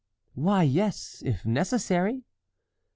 "Why, yes; if necessary."